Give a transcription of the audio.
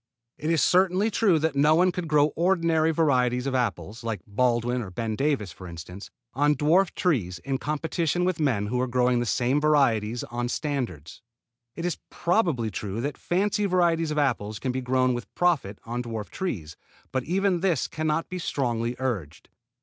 It is certainly true that no one could grow ordinary varieties of apples, like Baldwin or Ben Davis for instance, on dwarf trees in competition with men who are growing the same varieties on standards. It is probably true that fancy varieties of apples can be grown with profit on dwarf trees, but even this can not be strongly urged.